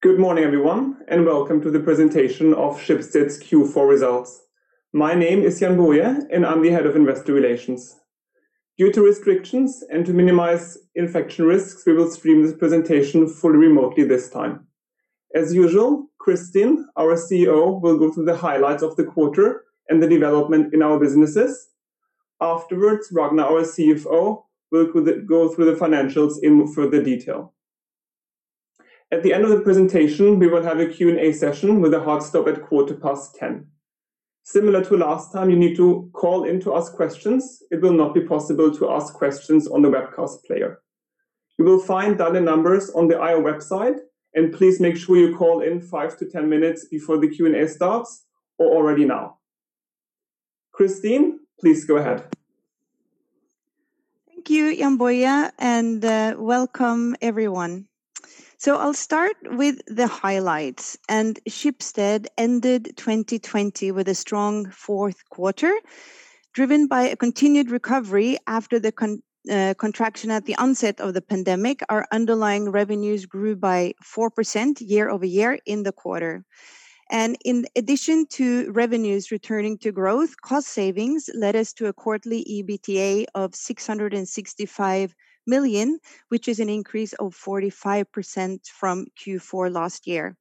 Good morning everyone, welcome to the presentation of Schibsted's Q4 results. My name is Jann-Boje, I'm the Head of Investor Relations. Due to restrictions and to minimize infection risks, we will stream this presentation fully remotely this time. As usual, Kristin, our CEO, will go through the highlights of the quarter and the development in our businesses. Afterwards, Ragnar, our CFO, will go through the financials in further detail. At the end of the presentation, we will have a Q&A session with a hard stop at 10:15 A.M. Similar to last time, you need to call in to ask questions. It will not be possible to ask questions on the webcast player. You will find dial-in numbers on the IR website, please make sure you call in 5-10 minutes before the Q&A starts or already now. Kristin, please go ahead. Thank you, Jann-Boje, and welcome everyone. I'll start with the highlights. Schibsted ended 2020 with a strong fourth quarter, driven by a continued recovery after the contraction at the onset of the pandemic. Our underlying revenues grew by 4% year-over-year in the quarter. In addition to revenues returning to growth, cost savings led us to a quarterly EBITDA of 665 million, which is an increase of 45% from Q4 last year.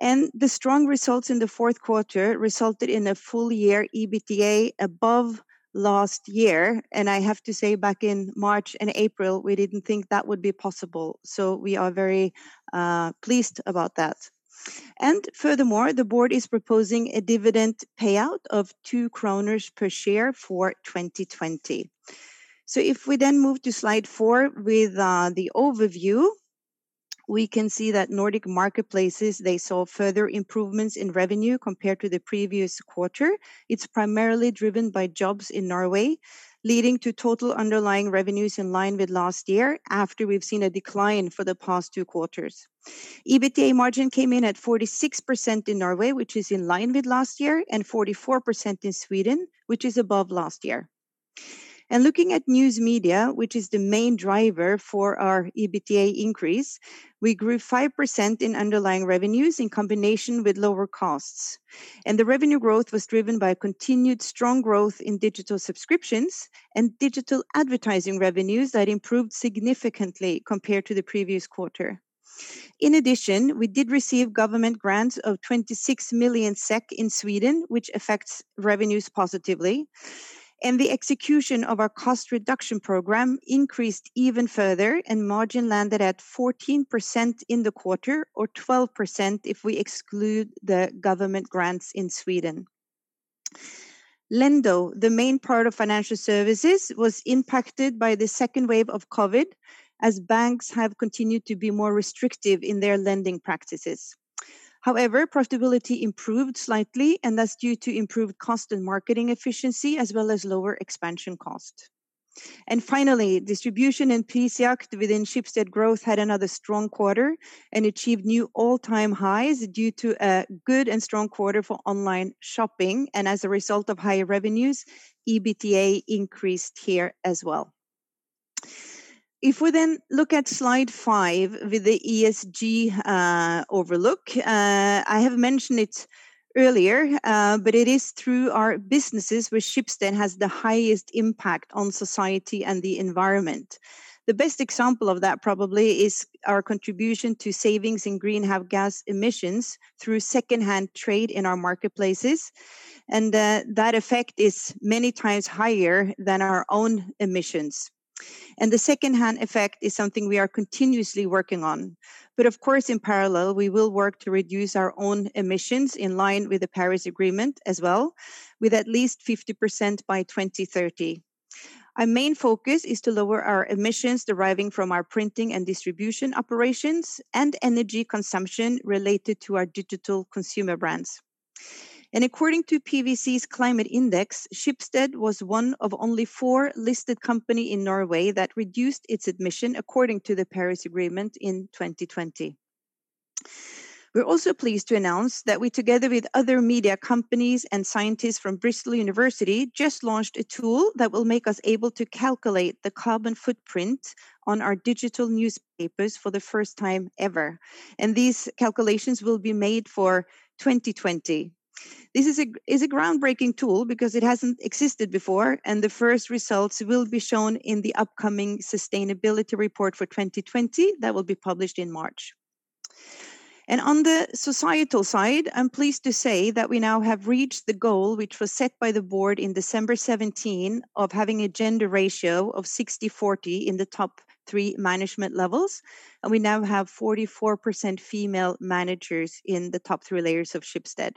The strong results in the fourth quarter resulted in a full year EBITDA above last year. I have to say, back in March and April, we didn't think that would be possible. We are very pleased about that. Furthermore, the board is proposing a dividend payout of 2 kroner per share for 2020. If we then move to slide four with the overview, we can see that Nordic Marketplaces, they saw further improvements in revenue compared to the previous quarter. It's primarily driven by jobs in Norway, leading to total underlying revenues in line with last year after we've seen a decline for the past two quarters. EBITDA margin came in at 46% in Norway, which is in line with last year, and 44% in Sweden, which is above last year. Looking at News Media, which is the main driver for our EBITDA increase, we grew 5% in underlying revenues in combination with lower costs. The revenue growth was driven by continued strong growth in digital subscriptions and digital advertising revenues that improved significantly compared to the previous quarter. In addition, we did receive government grants of 26 million SEK in Sweden, which affects revenues positively. The execution of our cost reduction program increased even further, and margin landed at 14% in the quarter, or 12% if we exclude the government grants in Sweden. Lendo, the main part of Financial Services, was impacted by the second wave of COVID, as banks have continued to be more restrictive in their lending practices. However, profitability improved slightly, and that's due to improved cost and marketing efficiency, as well as lower expansion cost. Finally, Schibsted Distribution and Prisjakt within Schibsted Growth had another strong quarter and achieved new all-time highs due to a good and strong quarter for online shopping. As a result of higher revenues, EBITDA increased here as well. If we look at slide five with the ESG overlook, I have mentioned it earlier, but it is through our businesses where Schibsted has the highest impact on society and the environment. The best example of that probably is our contribution to savings in greenhouse gas emissions through secondhand trade in our marketplaces, that effect is many times higher than our own emissions. The secondhand effect is something we are continuously working on. Of course, in parallel, we will work to reduce our own emissions in line with the Paris Agreement as well, with at least 50% by 2030. Our main focus is to lower our emissions deriving from our printing and distribution operations and energy consumption related to our digital consumer brands. According to PwC's Climate Index, Schibsted was one of only four listed company in Norway that reduced its emission according to the Paris Agreement in 2020. We're also pleased to announce that we, together with other media companies and scientists from University of Bristol, just launched a tool that will make us able to calculate the carbon footprint on our digital newspapers for the first time ever. These calculations will be made for 2020. This is a groundbreaking tool because it hasn't existed before, and the first results will be shown in the upcoming sustainability report for 2020 that will be published in March. On the societal side, I'm pleased to say that we now have reached the goal, which was set by the board in December 2017, of having a gender ratio of 60/40 in the top 3 management levels. We now have 44% female managers in the top 3 layers of Schibsted.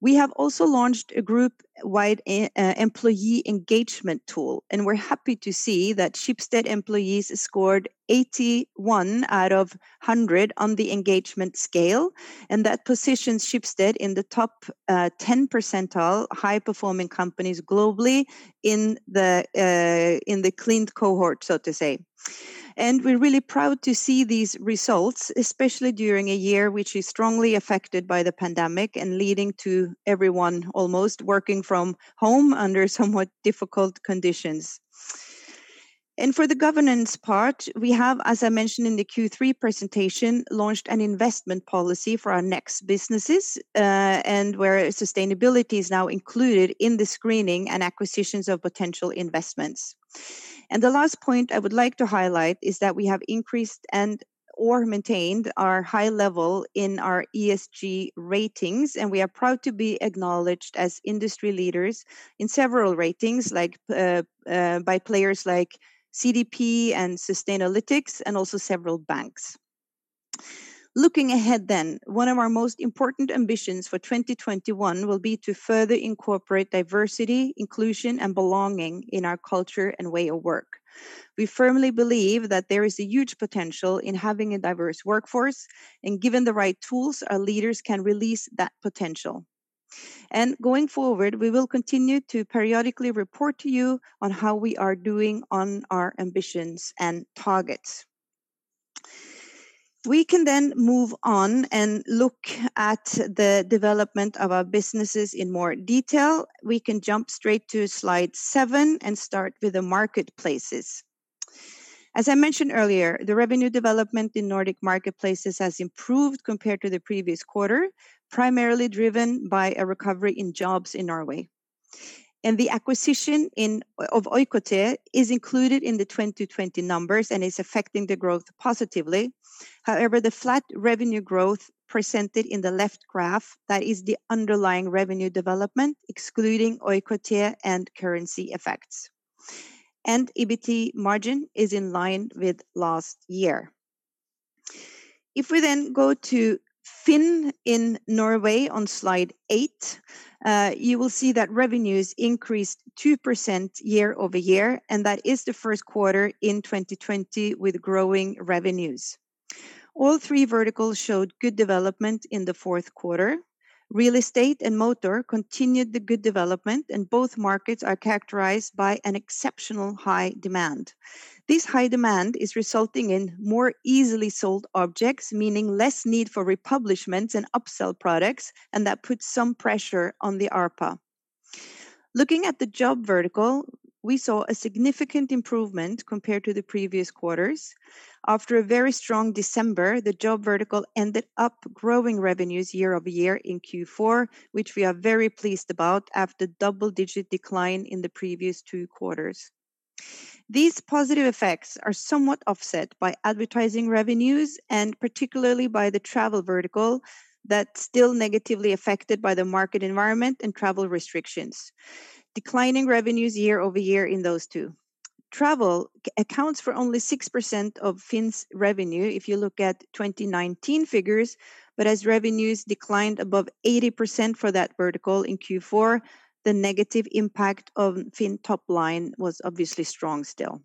We have also launched a group-wide employee engagement tool. We're happy to see that Schibsted employees scored 81 out of 100 on the engagement scale, and that positions Schibsted in the top 10 percentile high-performing companies globally in the cleaned cohort, so to say. We're really proud to see these results, especially during a year which is strongly affected by the pandemic and leading to everyone almost working from home under somewhat difficult conditions. For the governance part, we have, as I mentioned in the Q3 presentation, launched an investment policy for our next businesses, and where sustainability is now included in the screening and acquisitions of potential investments. The last point I would like to highlight is that we have increased or maintained our high level in our ESG ratings, and we are proud to be acknowledged as industry leaders in several ratings by players like CDP and Sustainalytics and also several banks. Looking ahead then, one of our most important ambitions for 2021 will be to further incorporate diversity, inclusion, and belonging in our culture and way of work. We firmly believe that there is a huge potential in having a diverse workforce, and given the right tools, our leaders can release that potential. Going forward, we will continue to periodically report to you on how we are doing on our ambitions and targets. We can then move on and look at the development of our businesses in more detail. We can jump straight to slide seven and start with the marketplaces. As I mentioned earlier, the revenue development in Nordic Marketplaces has improved compared to the previous quarter, primarily driven by a recovery in jobs in Norway. The acquisition of Oikotie is included in the 2020 numbers and is affecting the growth positively. However, the flat revenue growth presented in the left graph, that is the underlying revenue development, excluding Oikotie and currency effects. EBITDA margin is in line with last year. If we then go to FINN in Norway on slide 8, you will see that revenues increased 2% year-over-year, that is the first quarter in 2020 with growing revenues. All three verticals showed good development in the fourth quarter. Real estate and motor continued the good development, both markets are characterized by an exceptional high demand. This high demand is resulting in more easily sold objects, meaning less need for republishments and upsell products, and that puts some pressure on the ARPA. Looking at the job vertical, we saw a significant improvement compared to the previous quarters. After a very strong December, the job vertical ended up growing revenues year-over-year in Q4, which we are very pleased about after double-digit decline in the previous two quarters. These positive effects are somewhat offset by advertising revenues, and particularly by the travel vertical that's still negatively affected by the market environment and travel restrictions. Declining revenues year-over-year in those two. Travel accounts for only 6% of FINN's revenue if you look at 2019 figures, but as revenues declined above 80% for that vertical in Q4, the negative impact on FINN top line was obviously strong still.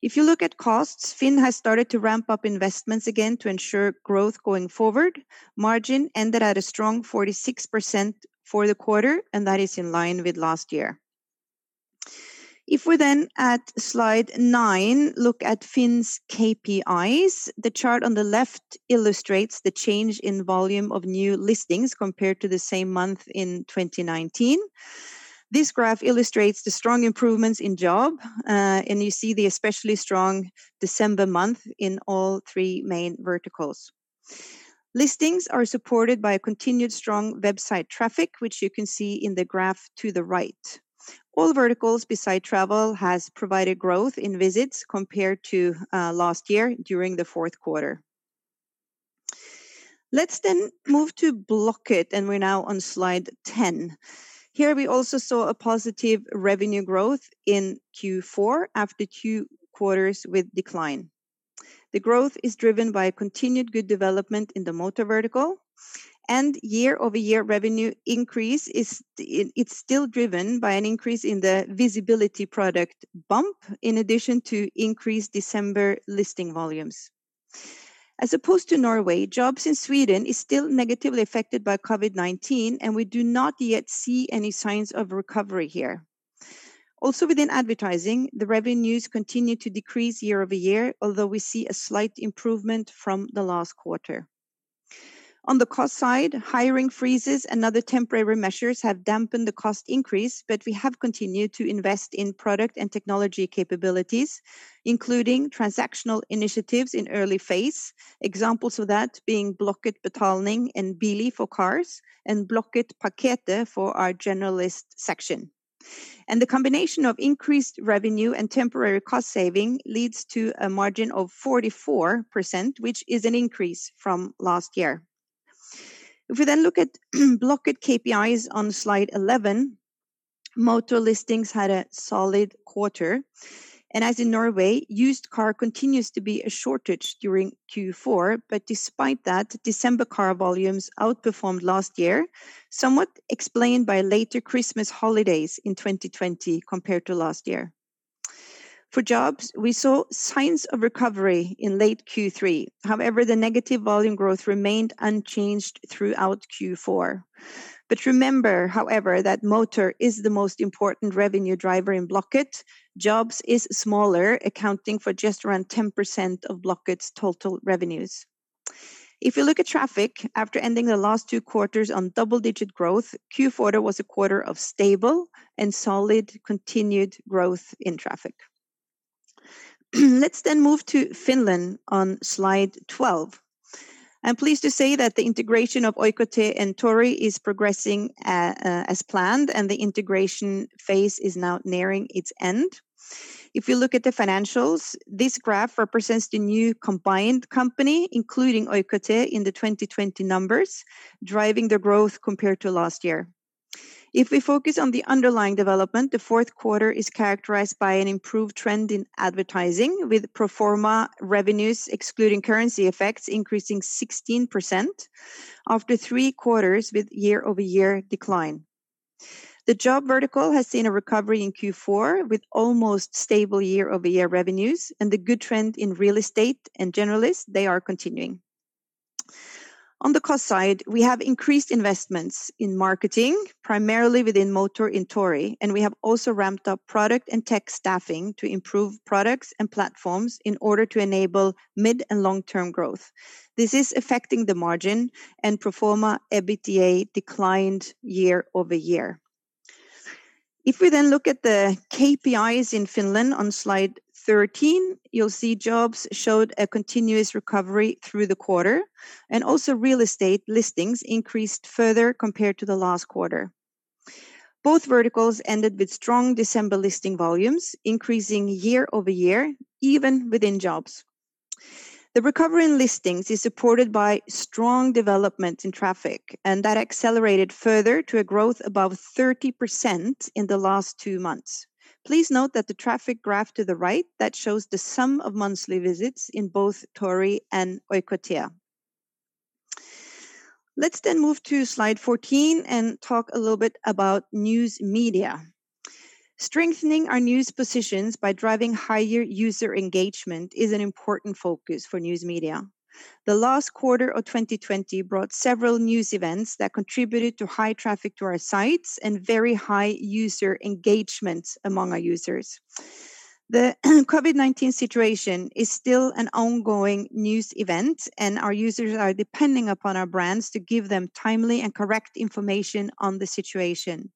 If you look at costs, FINN has started to ramp up investments again to ensure growth going forward. Margin ended at a strong 46% for the quarter, and that is in line with last year. If we then at slide nine look at FINN's KPIs, the chart on the left illustrates the change in volume of new listings compared to the same month in 2019. This graph illustrates the strong improvements in job, and you see the especially strong December month in all three main verticals. Listings are supported by a continued strong website traffic, which you can see in the graph to the right. All verticals beside travel has provided growth in visits compared to last year during the fourth quarter. Let's then move to Blocket, and we're now on slide 10. Here we also saw a positive revenue growth in Q4 after two quarters with decline. The growth is driven by a continued good development in the motor vertical. Year-over-year revenue increase it's still driven by an increase in the visibility product Bump, in addition to increased December listing volumes. As opposed to Norway, jobs in Sweden is still negatively affected by COVID-19. We do not yet see any signs of recovery here. Also within advertising, the revenues continue to decrease year-over-year, although we see a slight improvement from the last quarter. On the cost side, hiring freezes and other temporary measures have dampened the cost increase. We have continued to invest in product and technology capabilities, including transactional initiatives in early phase. Examples of that being Blocket Betalning and Bilia for cars and Blocketpaketet for our generalist section. The combination of increased revenue and temporary cost saving leads to a margin of 44%, which is an increase from last year. If we then look at Blocket KPIs on slide 11, motor listings had a solid quarter. As in Norway, used car continues to be a shortage during Q4. Despite that, December car volumes outperformed last year, somewhat explained by later Christmas holidays in 2020 compared to last year. For jobs, we saw signs of recovery in late Q3. However, the negative volume growth remained unchanged throughout Q4. Remember, however, that motor is the most important revenue driver in Blocket. Jobs is smaller, accounting for just around 10% of Blocket's total revenues. If you look at traffic, after ending the last two quarters on double-digit growth, Q4 was a quarter of stable and solid continued growth in traffic. Let's then move to Finland on slide 12. I'm pleased to say that the integration of Oikotie and Tori is progressing as planned, and the integration phase is now nearing its end. If you look at the financials, this graph represents the new combined company, including Oikotie in the 2020 numbers, driving the growth compared to last year. If we focus on the underlying development, the fourth quarter is characterized by an improved trend in advertising, with pro forma revenues excluding currency effects increasing 16%, after three quarters with year-over-year decline. The job vertical has seen a recovery in Q4 with almost stable year-over-year revenues, and the good trend in real estate and generalist, they are continuing. On the cost side, we have increased investments in marketing, primarily within motor in Tori, and we have also ramped up product and tech staffing to improve products and platforms in order to enable mid- and long-term growth. This is affecting the margin and pro forma EBITDA declined year-over-year. We then look at the KPIs in Finland on slide 13, you'll see jobs showed a continuous recovery through the quarter, and also real estate listings increased further compared to the last quarter. Both verticals ended with strong December listing volumes, increasing year-over-year, even within jobs. The recovery in listings is supported by strong development in traffic, and that accelerated further to a growth above 30% in the last two months. Please note that the traffic graph to the right, that shows the sum of monthly visits in both Tori and Oikotie. Let's then move to slide 14 and talk a little bit about news media. Strengthening our news positions by driving higher user engagement is an important focus for news media. The last quarter of 2020 brought several news events that contributed to high traffic to our sites and very high user engagement among our users. The COVID-19 situation is still an ongoing news event, our users are depending upon our brands to give them timely and correct information on the situation.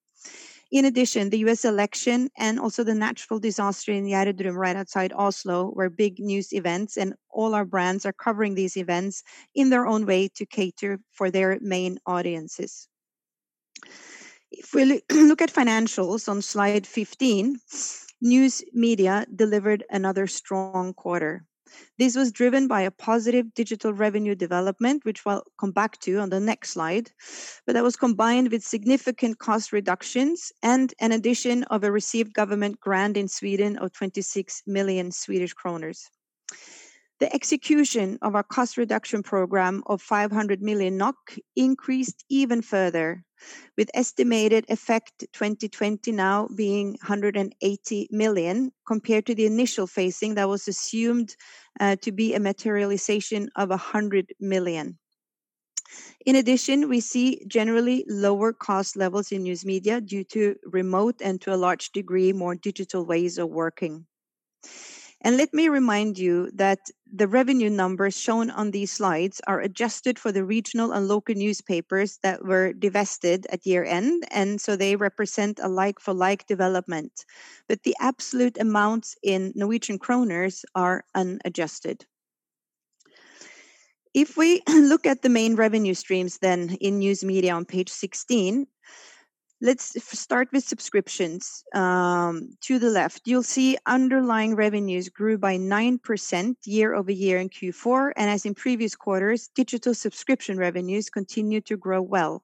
In addition, the U.S. election and also the natural disaster in the Gjerdrum right outside Oslo were big news events, all our brands are covering these events in their own way to cater for their main audiences. If we look at financials on slide 15, news media delivered another strong quarter. This was driven by a positive digital revenue development, which I'll come back to on the next slide. That was combined with significant cost reductions and an addition of a received government grant in Sweden of 26 million Swedish kronor. The execution of our cost reduction program of 500 million NOK increased even further, with estimated effect 2020 now being 180 million compared to the initial phasing that was assumed to be a materialization of 100 million. In addition, we see generally lower cost levels in news media due to remote and, to a large degree, more digital ways of working. Let me remind you that the revenue numbers shown on these slides are adjusted for the regional and local newspapers that were divested at year-end, and so they represent a like-for-like development. The absolute amounts in NOK are unadjusted. If we look at the main revenue streams then in news media on page 16, let's start with subscriptions. To the left, you'll see underlying revenues grew by 9% year-over-year in Q4. As in previous quarters, digital subscription revenues continued to grow well.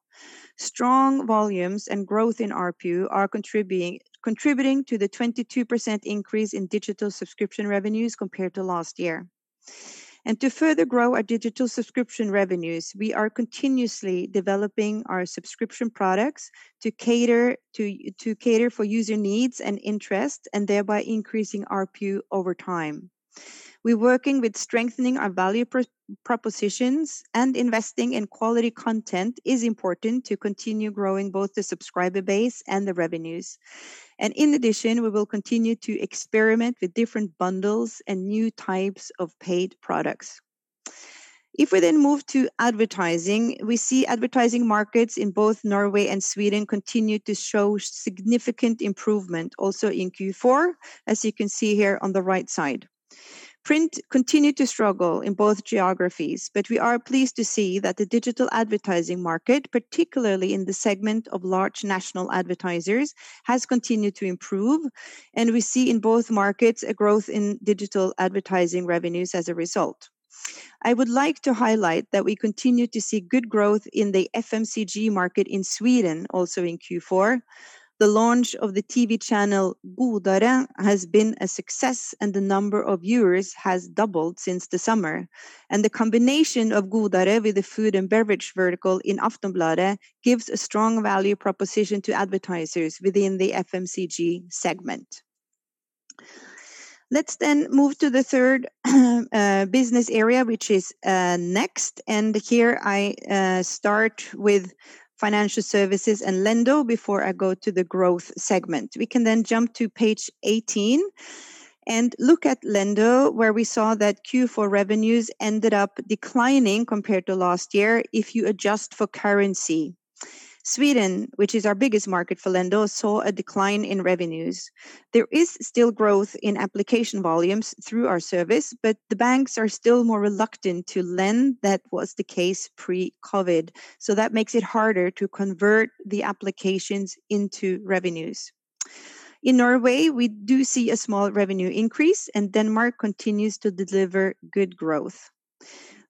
Strong volumes and growth in ARPU are contributing to the 22% increase in digital subscription revenues compared to last year. To further grow our digital subscription revenues, we are continuously developing our subscription products to cater for user needs and interest, and thereby increasing ARPU over time. We're working with strengthening our value propositions and investing in quality content is important to continue growing both the subscriber base and the revenues. In addition, we will continue to experiment with different bundles and new types of paid products. If we move to advertising, we see advertising markets in both Norway and Sweden continue to show significant improvement also in Q4, as you can see here on the right side. Print continued to struggle in both geographies, but we are pleased to see that the digital advertising market, particularly in the segment of large national advertisers, has continued to improve, and we see in both markets a growth in digital advertising revenues as a result. I would like to highlight that we continue to see good growth in the FMCG market in Sweden, also in Q4. The launch of the TV channel Godare has been a success, and the number of viewers has doubled since the summer. The combination of Godare with the food and beverage vertical in Aftonbladet gives a strong value proposition to advertisers within the FMCG segment. Let's then move to the third business area, which is next. Here I start with financial services and Lendo before I go to the growth segment. We can jump to page 18 and look at Lendo, where we saw that Q4 revenues ended up declining compared to last year if you adjust for currency. Sweden, which is our biggest market for Lendo, saw a decline in revenues. There is still growth in application volumes through our service, but the banks are still more reluctant to lend. That was the case pre-COVID, so that makes it harder to convert the applications into revenues. In Norway, we do see a small revenue increase, and Denmark continues to deliver good growth.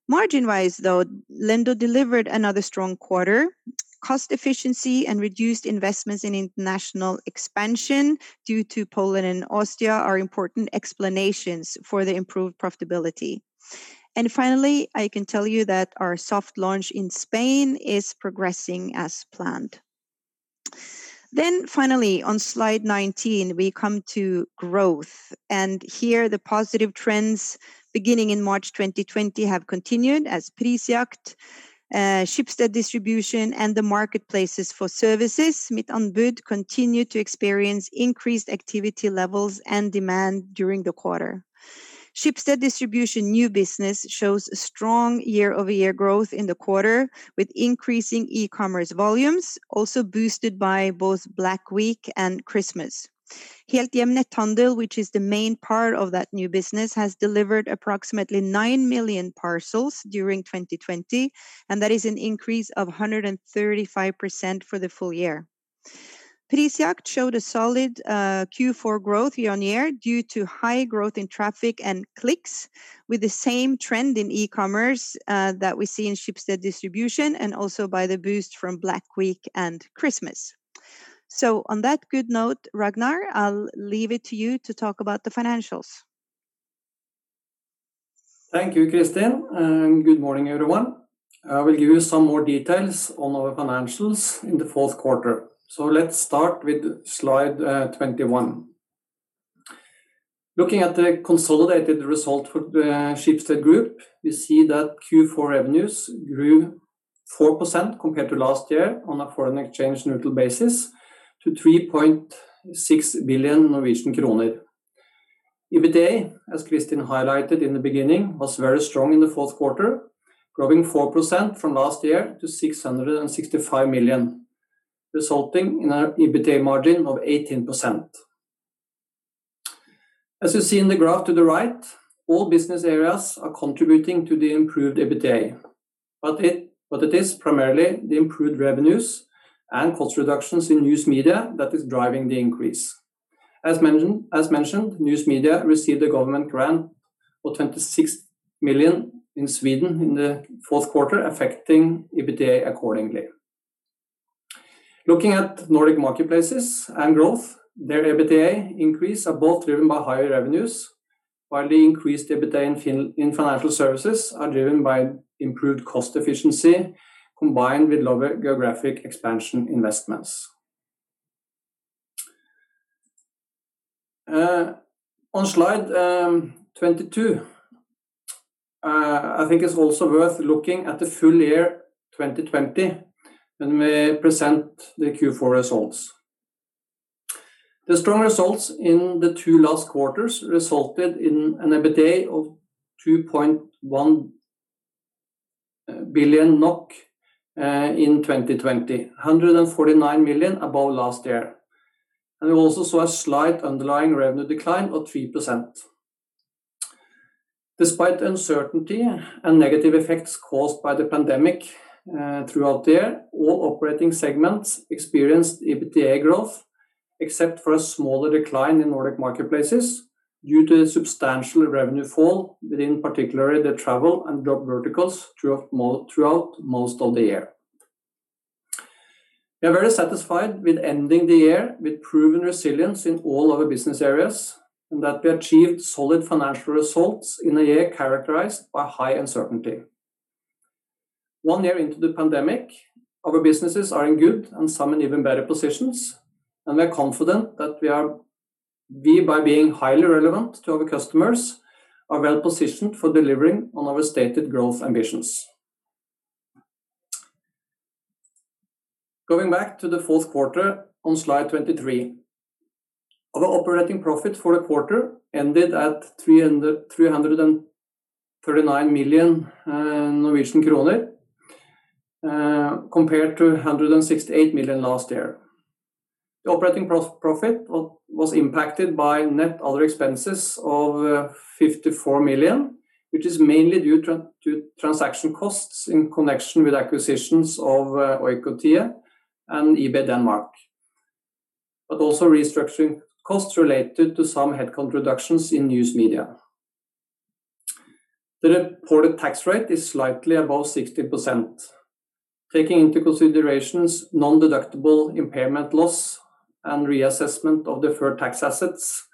Margin-wise, though, Lendo delivered another strong quarter. Cost efficiency and reduced investments in international expansion due to Poland and Austria are important explanations for the improved profitability. Finally, I can tell you that our soft launch in Spain is progressing as planned. Finally, on slide 19, we come to growth. Here the positive trends beginning in March 2020 have continued as Prisjakt, Schibsted Distribution, and the marketplaces for services, with Anbud continue to experience increased activity levels and demand during the quarter. Schibsted Distribution new business shows strong year-over-year growth in the quarter, with increasing e-commerce volumes also boosted by both Black Week and Christmas. Helthjem Netthandel, which is the main part of that new business, has delivered approximately 9 million parcels during 2020, and that is an increase of 135% for the full year. Prisjakt showed a solid Q4 growth year-over-year due to high growth in traffic and clicks with the same trend in e-commerce that we see in Schibsted Distribution and also by the boost from Black Week and Christmas. On that good note, Ragnar, I'll leave it to you to talk about the financials. Thank you, Kristin, good morning, everyone. I will give you some more details on our financials in the fourth quarter. Let's start with slide 21. Looking at the consolidated result for the Schibsted group, we see that Q4 revenues grew 4% compared to last year on a foreign exchange neutral basis to 3.6 billion Norwegian kroner. EBITDA, as Kristin highlighted in the beginning, was very strong in the fourth quarter, growing 4% from last year to 665 million, resulting in our EBITDA margin of 18%. As you see in the graph to the right, all business areas are contributing to the improved EBITDA. It is primarily the improved revenues and cost reductions in News Media that is driving the increase. As mentioned, News Media received a government grant of 26 million in Sweden in the fourth quarter, affecting EBITDA accordingly. Looking at Nordic Marketplaces and growth, their EBITDA increase are both driven by higher revenues, while the increased EBITDA in financial services are driven by improved cost efficiency combined with lower geographic expansion investments. On slide 22, I think it is also worth looking at the full year 2020 when we present the Q4 results. The strong results in the two last quarters resulted in an EBITDA of 2.1 billion NOK in 2020, 149 million above last year. We also saw a slight underlying revenue decline of 3%. Despite uncertainty and negative effects caused by the pandemic throughout the year, all operating segments experienced EBITDA growth, except for a smaller decline in Nordic Marketplaces due to the substantial revenue fall within particularly the travel and job verticals throughout most of the year. We are very satisfied with ending the year with proven resilience in all our business areas and that we achieved solid financial results in a year characterized by high uncertainty. One year into the pandemic, our businesses are in good and some in even better positions, and we are confident that we, by being highly relevant to our customers, are well-positioned for delivering on our stated growth ambitions. Going back to the fourth quarter on slide 23. Our operating profit for the quarter ended at 339 million Norwegian kroner, compared to 168 million last year. The operating profit was impacted by net other expenses of 54 million, which is mainly due to transaction costs in connection with acquisitions of Oikotie and eBay Denmark, but also restructuring costs related to some headcount reductions in News Media. The reported tax rate is slightly above 60%. Taking into consideration non-deductible impairment loss and reassessment of deferred tax assets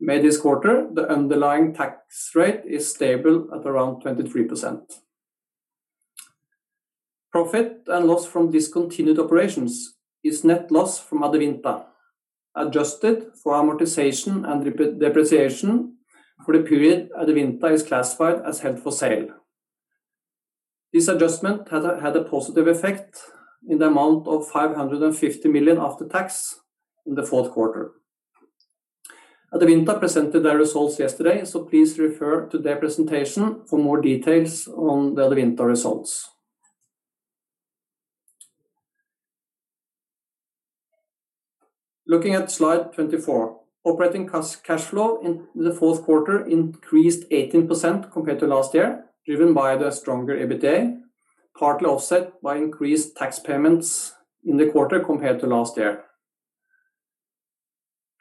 made this quarter, the underlying tax rate is stable at around 23%. Profit and loss from discontinued operations is net loss from Adevinta, adjusted for amortization and depreciation for the period Adevinta is classified as held for sale. This adjustment had a positive effect in the amount of 550 million after tax in the fourth quarter. Adevinta presented their results yesterday, please refer to their presentation for more details on the Adevinta results. Looking at slide 24, operating cash flow in the fourth quarter increased 18% compared to last year, driven by the stronger EBITDA, partly offset by increased tax payments in the quarter compared to last year.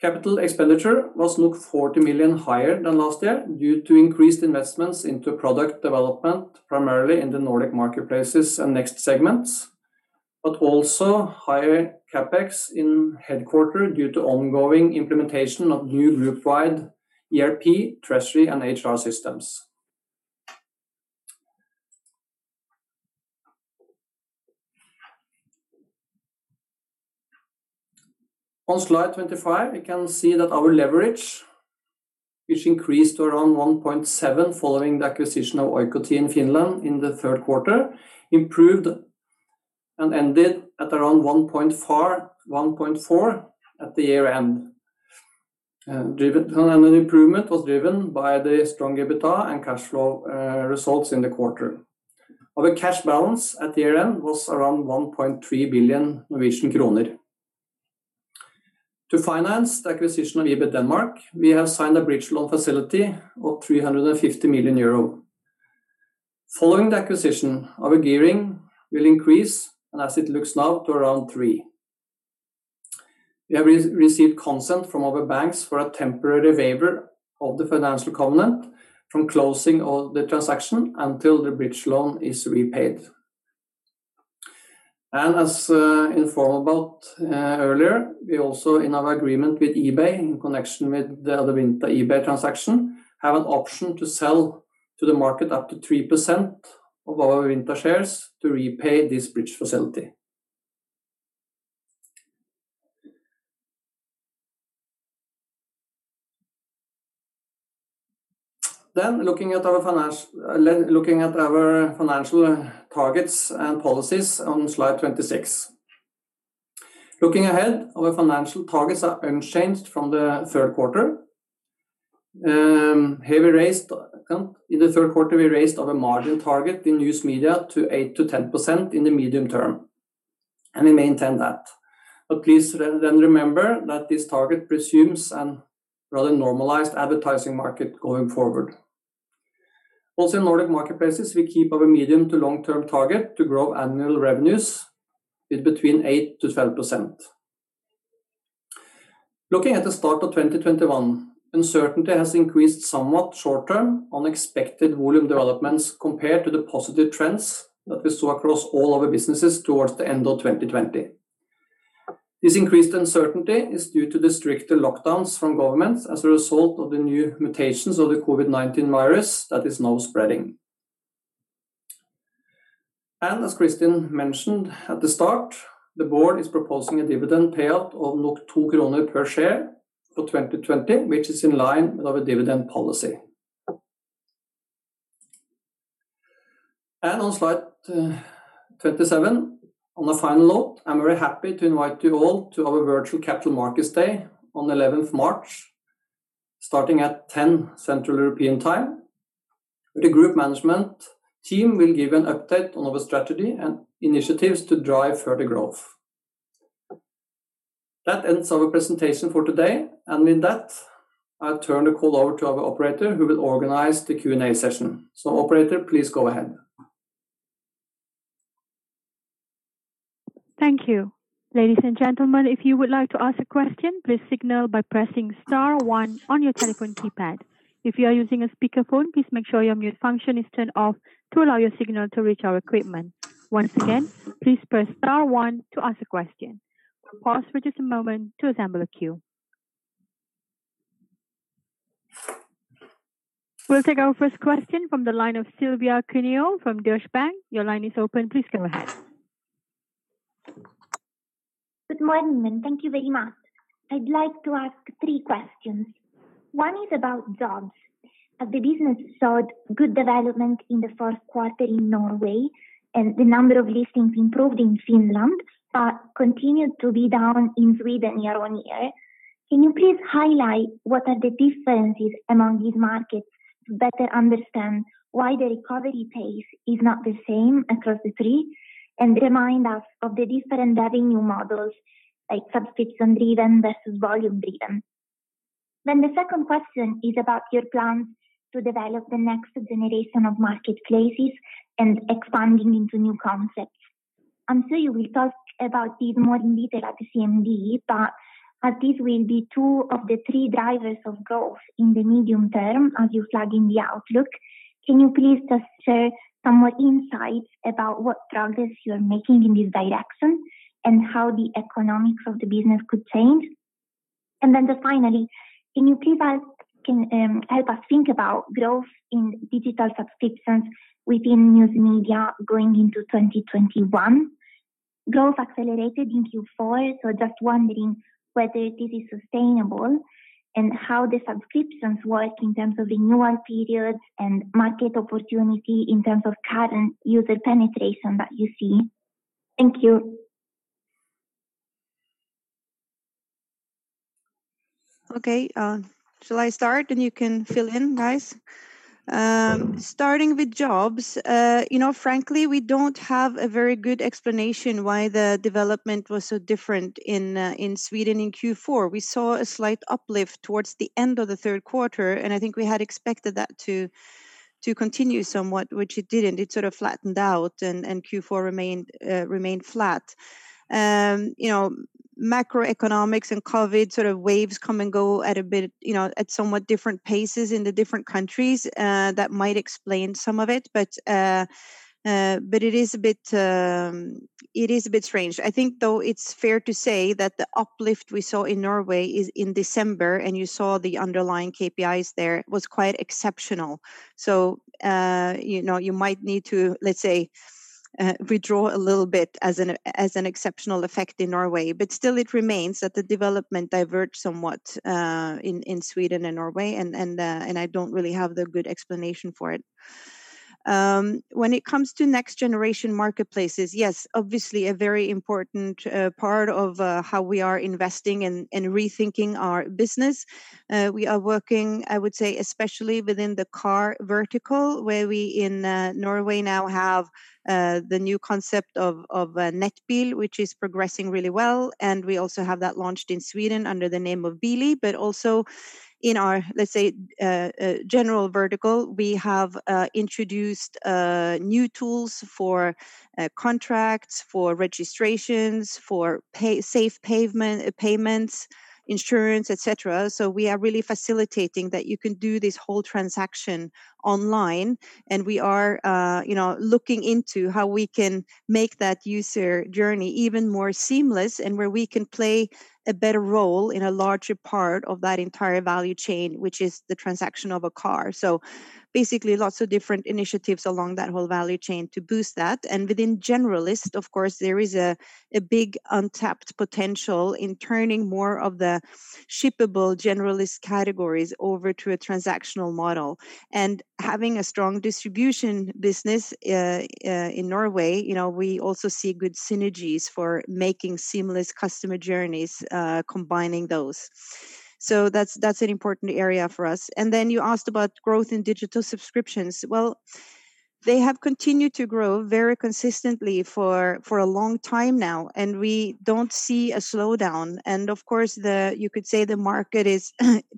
Capital expenditure was 40 million higher than last year due to increased investments into product development, primarily in the Nordic Marketplaces and Next segments, but also higher CapEx in headquarter due to ongoing implementation of new group wide ERP, treasury, and HR systems. On slide 25, we can see that our leverage, which increased to around 1.7 following the acquisition of Oikotie in Finland in the third quarter, improved and ended at around 1.4 at the year-end. Improvement was driven by the strong EBITDA and cash flow results in the quarter. Our cash balance at year-end was around 1.3 billion Norwegian kroner. To finance the acquisition of eBay Denmark, we have signed a bridge loan facility of 350 million euro. Following the acquisition, our gearing will increase, and as it looks now, to around 3. We have received consent from our banks for a temporary waiver of the financial covenant from closing of the transaction until the bridge loan is repaid. As informed about earlier, we also, in our agreement with eBay in connection with the Adevinta-eBay transaction, have an option to sell to the market up to 3% of Adevinta shares to repay this bridge facility. Looking at our financial targets and policies on slide 26. Looking ahead, our financial targets are unchanged from the third quarter. In the third quarter, we raised our margin target in News Media to 8%-10% in the medium term, and we maintain that. Please then remember that this target presumes a rather normalized advertising market going forward. Also, in Nordic Marketplaces, we keep our medium to long-term target to grow annual revenues with between 8%-12%. Looking at the start of 2021, uncertainty has increased somewhat short-term on expected volume developments compared to the positive trends that we saw across all our businesses towards the end of 2020. This increased uncertainty is due to the stricter lockdowns from governments as a result of the new mutations of the COVID-19 virus that is now spreading. As Kristin mentioned at the start, the board is proposing a dividend payout of 2 kroner per share for 2020, which is in line with our dividend policy. On slide 27, on a final note, I am very happy to invite you all to our virtual Capital Markets Day on the 11th March, starting at 10 Central European Time, where the group management team will give an update on our strategy and initiatives to drive further growth. That ends our presentation for today. With that, I'll turn the call over to our operator, who will organize the Q&A session. Operator, please go ahead. Thank you. Ladies and gentlemen, if you would like to ask a question, please signal by pressing star one on your telephone keypad. If you are using a speakerphone, please make sure your mute function is turned off to allow your signal to reach our equipment. Once again, please press star one to ask a question. We'll pause for just a moment to assemble a queue. We'll take our first question from the line of Silvia Cuneo from Deutsche Bank. Your line is open. Please go ahead. Good morning, and thank you very much. I'd like to ask three questions. One is about jobs. The business saw good development in the fourth quarter in Norway and the number of listings improved in Finland, but continued to be down in Sweden year-on-year. Can you please highlight what are the differences among these markets to better understand why the recovery pace is not the same across the three, and remind us of the different revenue models, like subscription-driven versus volume-driven? The second question is about your plans to develop the next generation of marketplaces and expanding into new concepts. I'm sure you will talk about this more in detail at the CMD, as this will be two of the three drivers of growth in the medium term as you flag in the outlook, can you please just share some more insights about what progress you are making in this direction and how the economics of the business could change? Just finally, can you please help us think about growth in digital subscriptions within News Media going into 2021? Growth accelerated in Q4. Just wondering whether this is sustainable and how the subscriptions work in terms of renewal periods and market opportunity, in terms of current user penetration that you see. Thank you. Okay. Shall I start and you can fill in, guys? Sure. We don't have a very good explanation why the development was so different in Sweden in Q4. We saw a slight uplift towards the end of the third quarter. I think we had expected that to continue somewhat, which it didn't. It sort of flattened out. Q4 remained flat. Macroeconomics and COVID sort of waves come and go at somewhat different paces in the different countries. That might explain some of it. It is a bit strange. I think, though, it's fair to say that the uplift we saw in Norway is in December. You saw the underlying KPIs there, was quite exceptional. You might need to, let's say, withdraw a little bit as an exceptional effect in Norway. Still, it remains that the development diverged somewhat, in Sweden and Norway, and I don't really have the good explanation for it. When it comes to next generation marketplaces, yes, obviously a very important part of how we are investing and rethinking our business. We are working, I would say, especially within the car vertical, where we in Norway now have the new concept of Nettbil, which is progressing really well, and we also have that launched in Sweden under the name of Bilia. Also in our, let's say, general vertical, we have introduced new tools for contracts, for registrations, for safe payments, insurance, et cetera. We are really facilitating that you can do this whole transaction online, and we are looking into how we can make that user journey even more seamless, and where we can play a better role in a larger part of that entire value chain, which is the transaction of a car. Basically, lots of different initiatives along that whole value chain to boost that. Within generalist, of course, there is a big untapped potential in turning more of the shippable generalist categories over to a transactional model. Having a strong distribution business in Norway, we also see good synergies for making seamless customer journeys combining those. That's an important area for us. Then you asked about growth in digital subscriptions. Well, they have continued to grow very consistently for a long time now, and we don't see a slowdown. Of course, you could say the market is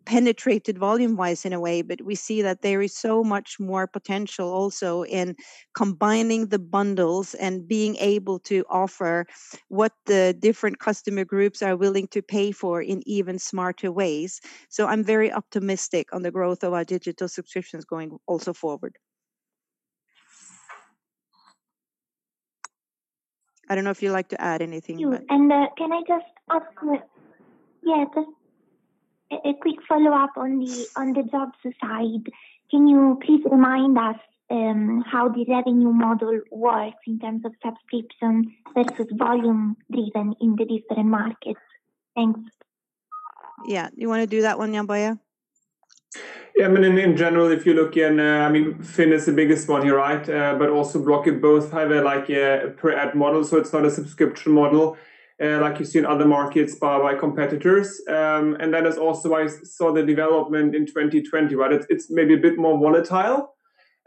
penetrated volume-wise in a way, but we see that there is so much more potential also in combining the bundles and being able to offer what the different customer groups are willing to pay for in even smarter ways. I'm very optimistic on the growth of our digital subscriptions going also forward. I don't know if you'd like to add anything? Sure. Can I just ask a quick follow-up on the jobs side. Can you please remind us how the revenue model works in terms of subscription versus volume driven in the different markets? Thanks. Yeah. You want to do that one, Jann-Boje? I mean, in general, if you look in, FINN is the biggest one here, right? Also Blocket both have a per ad model, so it's not a subscription model like you see in other markets by competitors. That is also why you saw the development in 2020, right? It's maybe a bit more volatile,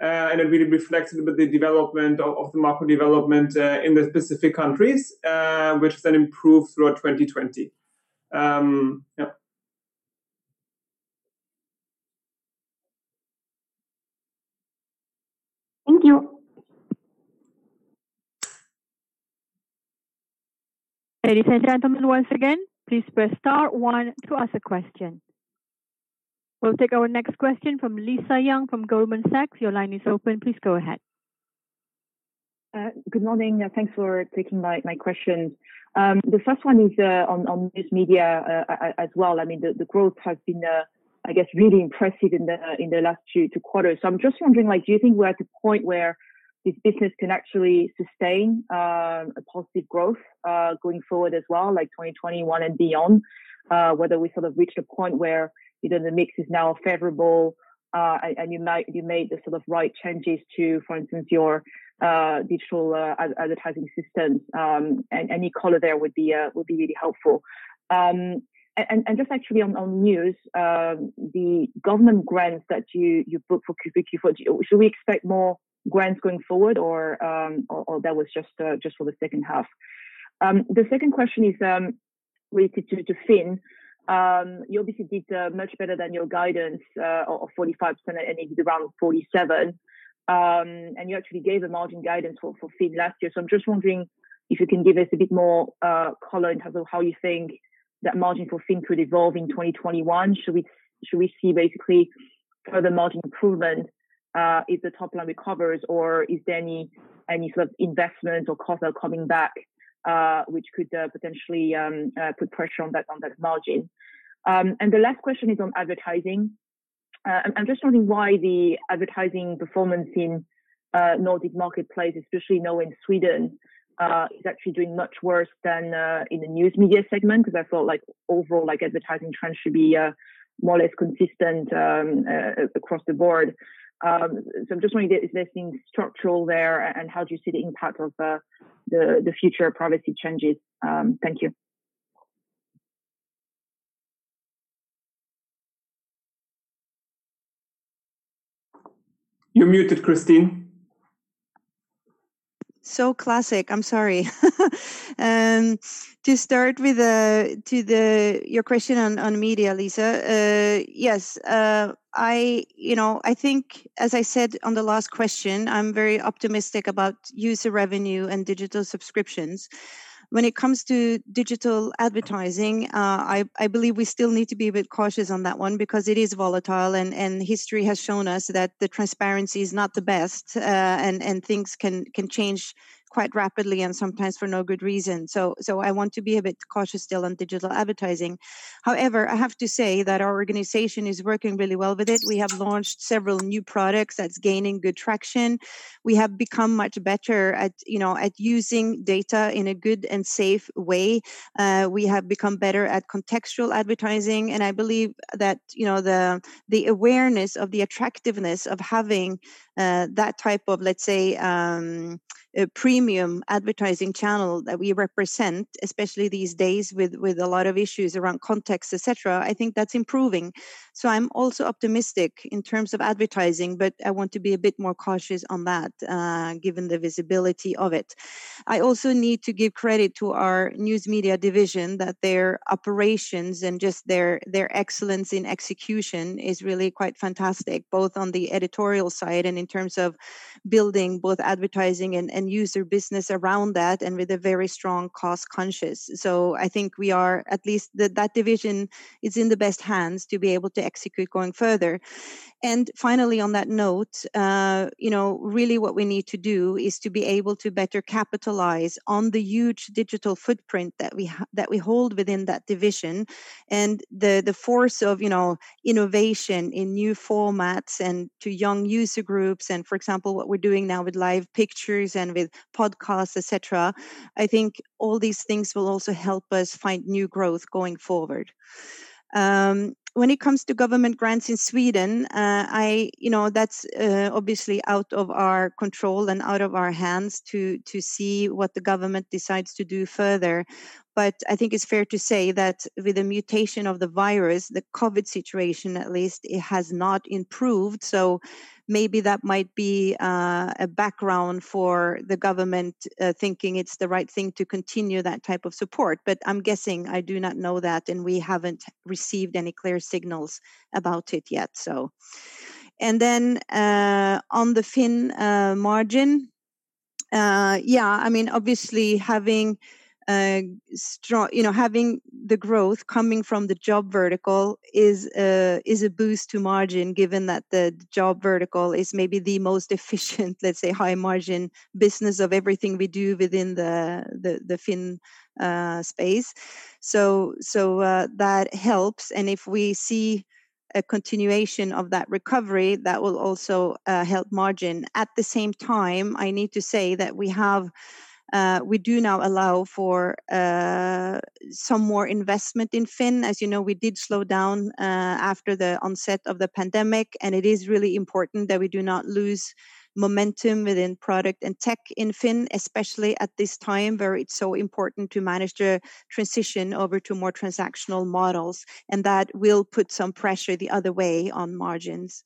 and it really reflects with the development of the macro development in the specific countries, which then improved throughout 2020. Yep. Thank you. Ladies and gentlemen, once again, please press star one to ask a question. We will take our next question from Lisa Yang from Goldman Sachs. Your line is open. Please go ahead. Good morning. Thanks for taking my questions. The first one is on News Media as well. The growth has been, I guess, really impressive in the last two quarters. I'm just wondering, do you think we're at the point where this business can actually sustain a positive growth going forward as well, like 2021 and beyond? Whether we sort of reach a point where the mix is now favorable, and you made the sort of right changes to, for instance, your digital advertising systems. Any color there would be really helpful. Just actually on News, the government grants that you booked for Q4, should we expect more grants going forward, or that was just for the second half? The second question is related to FINN. You obviously did much better than your guidance of 45%, and it did around 47%. You actually gave a margin guidance for FINN last year. I'm just wondering if you can give us a bit more color in terms of how you think that margin for FINN could evolve in 2021. Should we see basically further margin improvement if the top line recovers, or is there any sort of investment or costs are coming back, which could potentially put pressure on that margin? The last question is on advertising. I'm just wondering why the advertising performance in Nordic Marketplaces, especially now in Sweden, is actually doing much worse than in the news media segment, because I thought overall advertising trends should be more or less consistent across the board. I'm just wondering, is there anything structural there, and how do you see the impact of the future privacy changes? Thank you. You're muted, Kristin. Classic. I am sorry. To start with your question on media, Lisa. Yes. I think, as I said on the last question, I am very optimistic about user revenue and digital subscriptions. When it comes to digital advertising, I believe we still need to be a bit cautious on that one because it is volatile, and history has shown us that the transparency is not the best, and things can change quite rapidly and sometimes for no good reason. I want to be a bit cautious still on digital advertising. However, I have to say that our organization is working really well with it. We have launched several new products that's gaining good traction. We have become much better at using data in a good and safe way. We have become better at contextual advertising. I believe that the awareness of the attractiveness of having that type of, let's say, premium advertising channel that we represent, especially these days with a lot of issues around context, et cetera, I think that's improving. I'm also optimistic in terms of advertising, but I want to be a bit more cautious on that given the visibility of it. I also need to give credit to our news media division that their operations and just their excellence in execution is really quite fantastic, both on the editorial side and in terms of building both advertising and user business around that and with a very strong cost-conscious. I think we are, at least that division, is in the best hands to be able to execute going further. Finally, on that note, really what we need to do is to be able to better capitalize on the huge digital footprint that we hold within that division and the force of innovation in new formats and to young user groups and, for example, what we're doing now with live pictures and with podcasts, et cetera. I think all these things will also help us find new growth going forward. When it comes to government grants in Sweden, that's obviously out of our control and out of our hands to see what the government decides to do further. I think it's fair to say that with the mutation of the virus, the COVID situation, at least, it has not improved. Maybe that might be a background for the government thinking it's the right thing to continue that type of support, but I'm guessing. I do not know that, and we haven't received any clear signals about it yet. On the FINN margin, obviously having the growth coming from the job vertical is a boost to margin, given that the job vertical is maybe the most efficient, let's say, high margin business of everything we do within the FINN space. That helps, and if we see a continuation of that recovery, that will also help margin. At the same time, I need to say that we do now allow for some more investment in FINN. As you know, we did slow down after the onset of the pandemic. It is really important that we do not lose momentum within product and tech in FINN, especially at this time where it's so important to manage the transition over to more transactional models. That will put some pressure the other way on margins.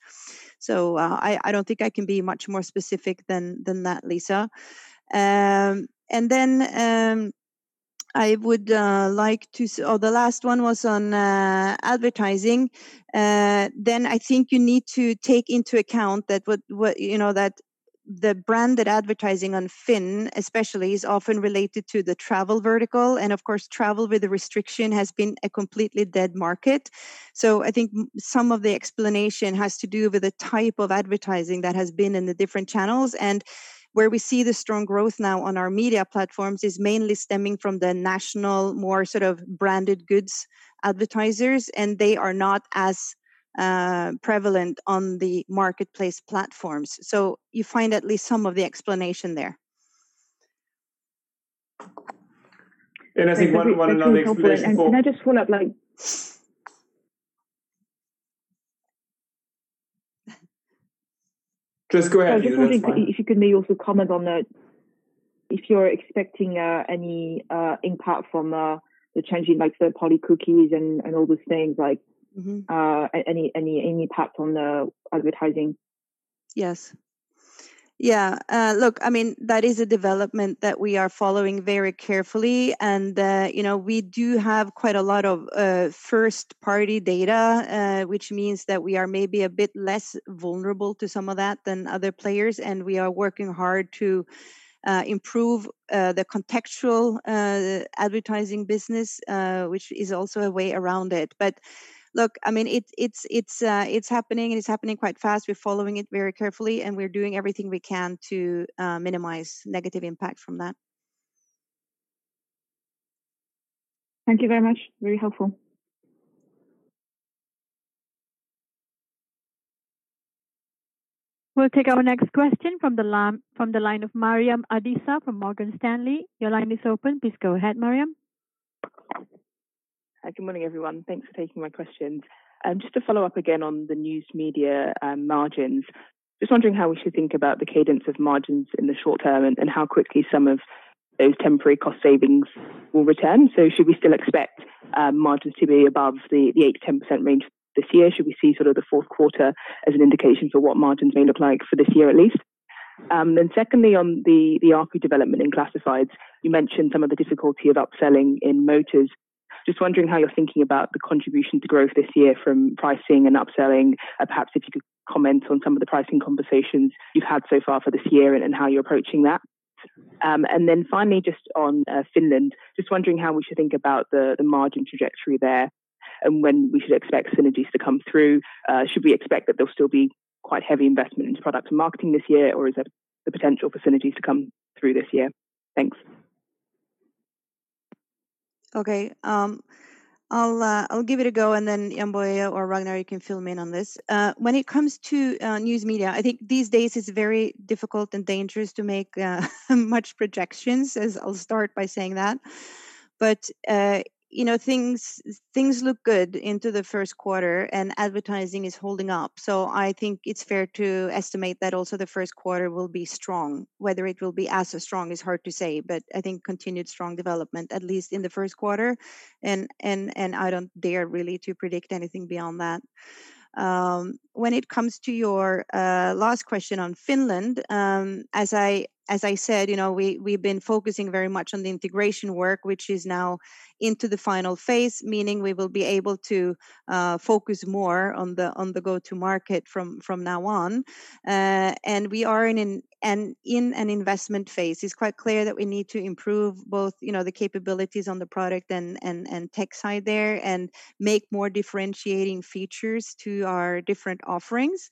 I don't think I can be much more specific than that, Lisa. The last one was on advertising. I think you need to take into account that the branded advertising on FINN especially, is often related to the travel vertical. Of course, travel with the restriction has been a completely dead market. I think some of the explanation has to do with the type of advertising that has been in the different channels, and where we see the strong growth now on our media platforms is mainly stemming from the national, more sort of branded goods advertisers, and they are not as prevalent on the marketplace platforms. You find at least some of the explanation there. I think one other explanation. Can I just follow up? Just go ahead, Lisa. That's fine. If you could maybe also comment on that. If you're expecting any impact from the changing third-party cookies and all those things, any impact on the advertising? Yes. That is a development that we are following very carefully, and we do have quite a lot of first-party data, which means that we are maybe a bit less vulnerable to some of that than other players, and we are working hard to improve the contextual advertising business, which is also a way around it. Look, it's happening, and it's happening quite fast. We're following it very carefully, and we're doing everything we can to minimize negative impact from that. Thank you very much. Very helpful. We'll take our next question from the line of Miriam Adisa from Morgan Stanley. Your line is open. Please go ahead, Miriam. Hi. Good morning, everyone. Thanks for taking my questions. Just to follow up again on the news media margins. Just wondering how we should think about the cadence of margins in the short term and how quickly some of those temporary cost savings will return. Should we still expect margins to be above the 8%-10% range this year? Should we see sort of the fourth quarter as an indication for what margins may look like for this year at least? Secondly, on the ARPU development in classifieds, you mentioned some of the difficulty of upselling in motors. Just wondering how you're thinking about the contribution to growth this year from pricing and upselling. Perhaps if you could comment on some of the pricing conversations you've had so far for this year and how you're approaching that. Finally, just on Finland. Just wondering how we should think about the margin trajectory there and when we should expect synergies to come through. Should we expect that there'll still be quite heavy investment into product and marketing this year, or is that the potential for synergies to come through this year? Thanks. Okay. I'll give it a go, and then Jann-Boje or Ragnar, you can fill me in on this. When it comes to news media, I think these days it's very difficult and dangerous to make much projections, as I'll start by saying that. Things look good into the first quarter and advertising is holding up. I think it's fair to estimate that also the first quarter will be strong. Whether it will be as strong is hard to say, but I think continued strong development, at least in the first quarter. I don't dare really to predict anything beyond that. When it comes to your last question on Finland, as I said, we've been focusing very much on the integration work, which is now into the final phase, meaning we will be able to focus more on the go-to-market from now on. We are in an investment phase. It's quite clear that we need to improve both the capabilities on the product and tech side there and make more differentiating features to our different offerings.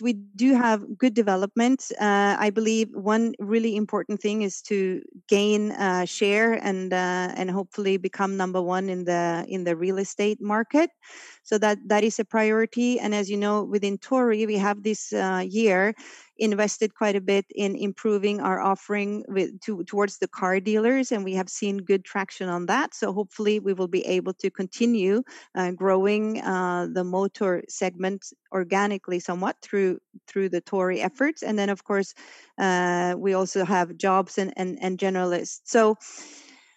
We do have good development. I believe one really important thing is to gain share and hopefully become number one in the real estate market. That is a priority. As you know, within Tori, we have this year invested quite a bit in improving our offering towards the car dealers, and we have seen good traction on that. Hopefully we will be able to continue growing the motor segment organically somewhat through the Tori efforts. Then, of course, we also have jobs and generalists.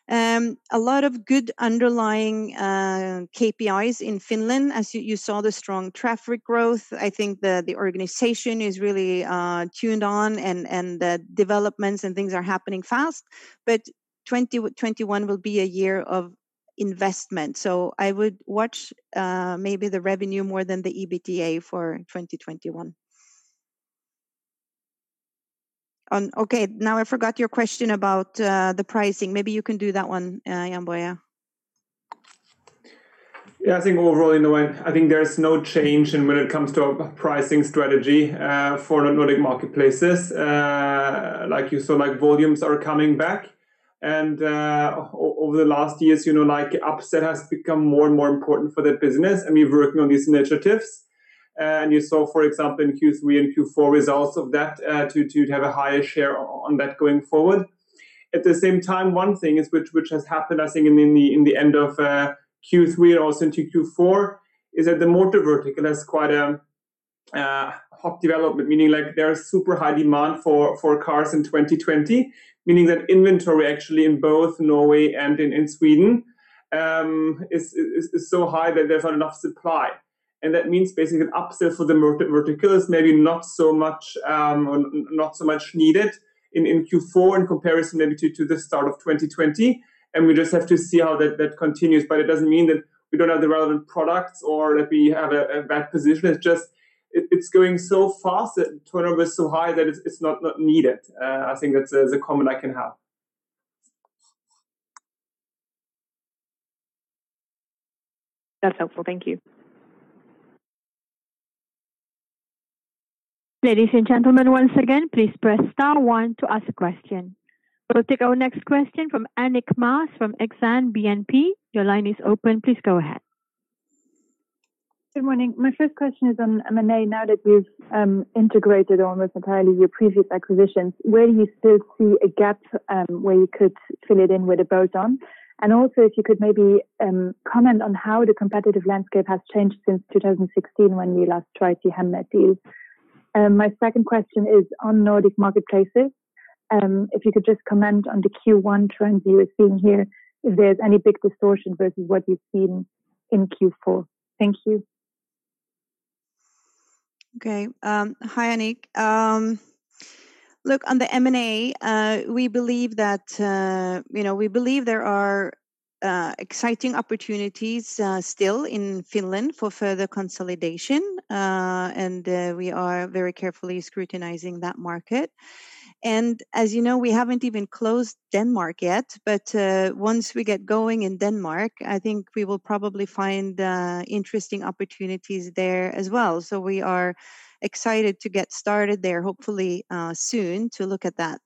A lot of good underlying KPIs in Finland. As you saw the strong traffic growth, I think the organization is really tuned on and the developments and things are happening fast. 2021 will be a year of investment. I would watch maybe the revenue more than the EBITDA for 2021. Okay, now I forgot your question about the pricing. Maybe you can do that one, Jann-Boje. Yeah, I think overall, in a way, I think there's no change when it comes to pricing strategy for the Nordic Marketplaces. Like you saw, volumes are coming back and over the last years, like upsell has become more and more important for that business, and we're working on these initiatives. You saw, for example, in Q3 and Q4 results of that to have a higher share on that going forward. At the same time, one thing which has happened, I think in the end of Q3 or since Q4, is that the motor vertical has quite a hot development, meaning there's super high demand for cars in 2020, meaning that inventory actually in both Norway and in Sweden is so high that there's enough supply. That means basically an upsell for the motor vertical is maybe not so much needed in Q4 in comparison maybe to the start of 2020. We just have to see how that continues. It doesn't mean that we don't have the relevant products or that we have a bad position. It's just, it's going so fast, that turnover is so high that it's not needed. I think that's the comment I can have. That's helpful. Thank you. Ladies and gentlemen, once again, please press star one to ask a question. We'll take our next question from Annick Maas from Exane BNP. Good morning. My first question is on M&A. Now that you've integrated almost entirely your previous acquisitions, where do you still see a gap where you could fill it in with a bolt-on? Also, if you could maybe comment on how the competitive landscape has changed since 2016 when you last tried to Hemnet deal. My second question is on Nordic Marketplaces. If you could just comment on the Q1 trends you are seeing here, if there's any big distortion versus what you've seen in Q4. Thank you. Okay. Hi, Annick. Look, on the M&A, we believe there are exciting opportunities still in Finland for further consolidation, we are very carefully scrutinizing that market. As you know, we haven't even closed Denmark yet, once we get going in Denmark, I think we will probably find interesting opportunities there as well. We are excited to get started there, hopefully soon to look at that.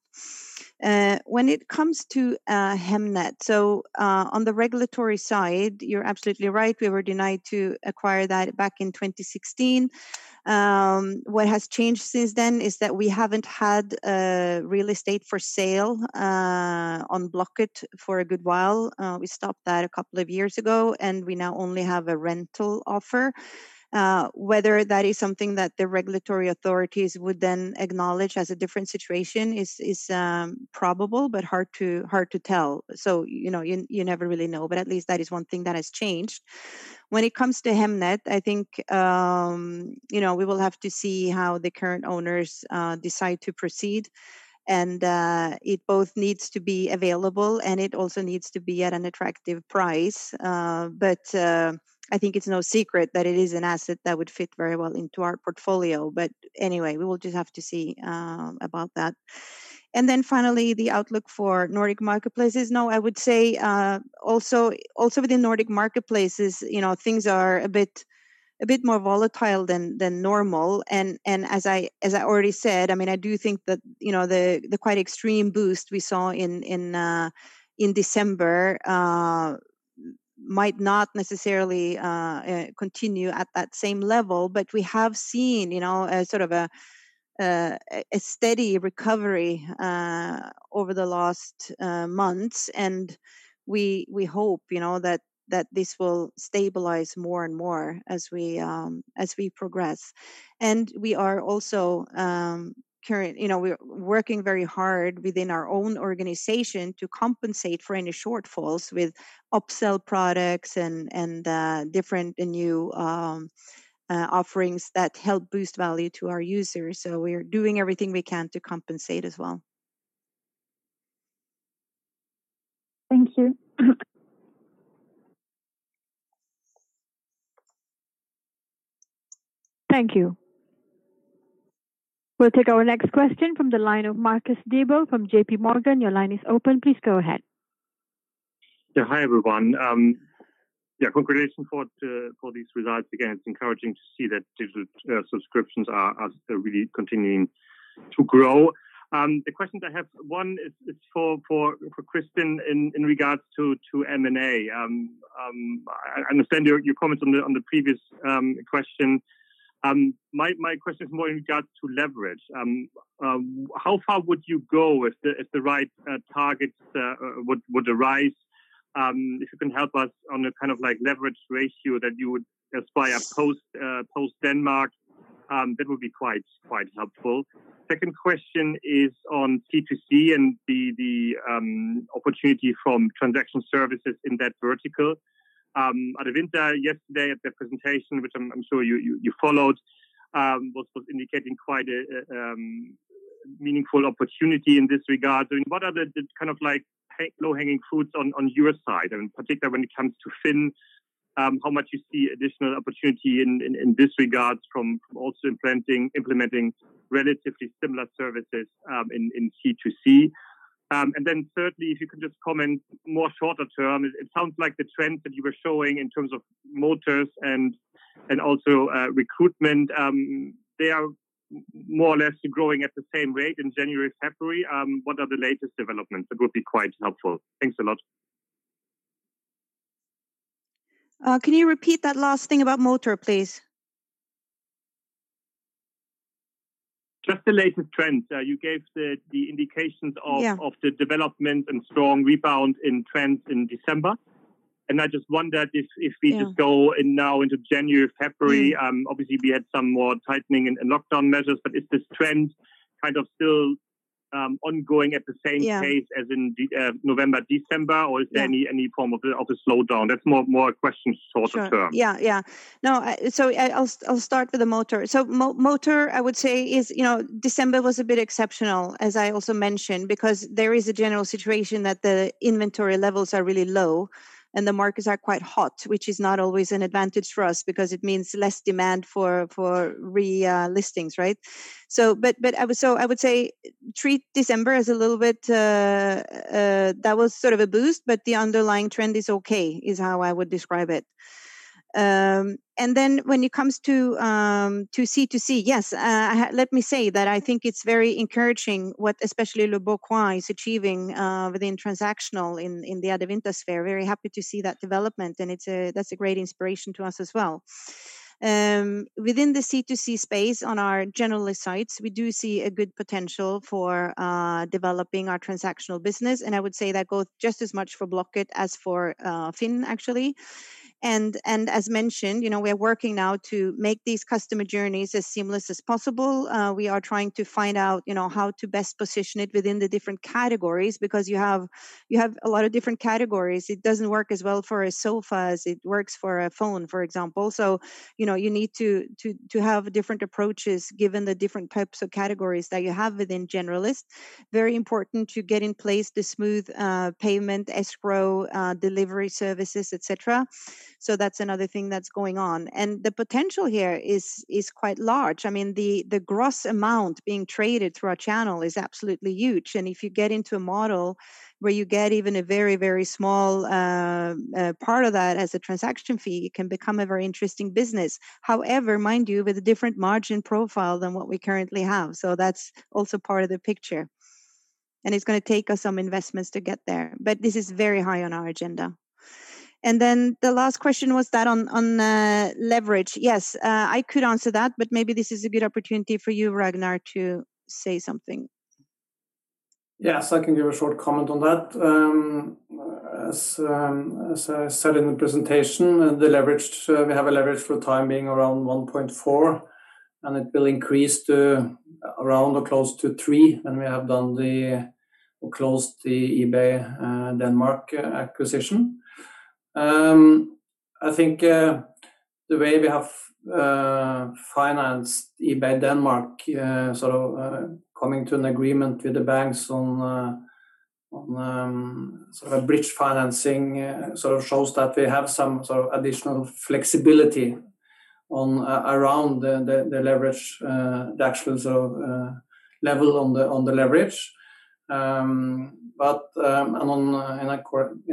When it comes to Hemnet, on the regulatory side, you're absolutely right. We were denied to acquire that back in 2016. What has changed since then is that we haven't had real estate for sale on Blocket for a good while. We stopped that a couple of years ago, we now only have a rental offer. Whether that is something that the regulatory authorities would then acknowledge as a different situation is probable, hard to tell. You never really know, but at least that is one thing that has changed. When it comes to Hemnet, I think we will have to see how the current owners decide to proceed. It both needs to be available and it also needs to be at an attractive price. I think it's no secret that it is an asset that would fit very well into our portfolio. Anyway, we will just have to see about that. Finally, the outlook for Nordic Marketplaces. I would say also within Nordic Marketplaces, things are a bit more volatile than normal. As I already said, I do think that the quite extreme boost we saw in December might not necessarily continue at that same level. We have seen a steady recovery over the last months, and we hope that this will stabilize more and more as we progress. We are also working very hard within our own organization to compensate for any shortfalls with upsell products and different new offerings that help boost value to our users. We are doing everything we can to compensate as well. Thank you. Thank you. We'll take our next question from the line of Marcus Diebel from JPMorgan. Your line is open. Please go ahead. Hi, everyone. Congratulations for these results. It's encouraging to see that digital subscriptions are really continuing to grow. The questions I have, one is for Kristin in regards to M&A. I understand your comments on the previous question. My question is more in regards to leverage. How far would you go if the right targets would arise? If you can help us on the kind of leverage ratio that you would aspire post Denmark, that would be quite helpful. Second question is on C2C and the opportunity from transaction services in that vertical. Adevinta yesterday at their presentation, which I'm sure you followed, was indicating quite a meaningful opportunity in this regard. What are the kind of low-hanging fruits on your side, and in particular when it comes to FINN, how much you see additional opportunity in this regard from also implementing relatively similar services in C2C? Thirdly, if you could just comment more shorter term, it sounds like the trends that you were showing in terms of motors and also recruitment, they are more or less growing at the same rate in January, February. What are the latest developments? That would be quite helpful. Thanks a lot. Can you repeat that last thing about motor, please? Just the latest trends. You gave the indications. Yeah of the development and strong rebound in trends in December. I just wondered if we just go now into January, February, obviously we had some more tightening and lockdown measures, but is this trend kind of still ongoing at the same pace? Yeah as in November, December? Yeah. Is there any form of a slowdown? That's more a question shorter term. Sure. Yeah. I'll start with the motor. Motor, I would say, December was a bit exceptional, as I also mentioned, because there is a general situation that the inventory levels are really low and the markets are quite hot, which is not always an advantage for us because it means less demand for re-listings, right? I would say treat December as a little bit, that was sort of a boost, but the underlying trend is okay, is how I would describe it. When it comes to C2C, yes, let me say that I think it's very encouraging what especially leboncoin is achieving within transactional in the Adevinta sphere. Very happy to see that development, and that's a great inspiration to us as well. Within the C2C space on our generalist sites, we do see a good potential for developing our transactional business, and I would say that goes just as much for Blocket as for FINN, actually. As mentioned, we are working now to make these customer journeys as seamless as possible. We are trying to find out how to best position it within the different categories, because you have a lot of different categories. It doesn't work as well for a sofa as it works for a phone, for example. You need to have different approaches given the different types of categories that you have within generalist. It is very important to get in place the smooth payment, escrow, delivery services, et cetera. That's another thing that's going on. The potential here is quite large. The gross amount being traded through our channel is absolutely huge, and if you get into a model where you get even a very small part of that as a transaction fee, it can become a very interesting business. However, mind you, with a different margin profile than what we currently have. That's also part of the picture. And it's going to take us some investments to get there, but this is very high on our agenda. The last question was that on leverage. Yes, I could answer that, but maybe this is a good opportunity for you, Ragnar, to say something. Yes, I can give a short comment on that. As I said in the presentation, we have a leverage for the time being around 1.4, and it will increase to around or close to three when we have closed the eBay Denmark acquisition. I think the way we have financed eBay Denmark, coming to an agreement with the banks on bridge financing shows that we have some additional flexibility around the actual level on the leverage. In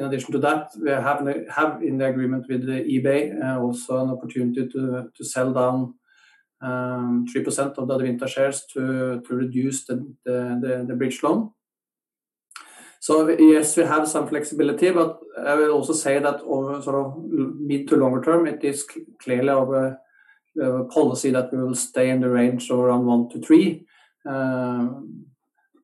addition to that, we have in the agreement with eBay also an opportunity to sell down 3% of the Adevinta shares to reduce the bridge loan. Yes, we have some flexibility, but I will also say that over mid to longer term, it is clearly our policy that we will stay in the range around one to three.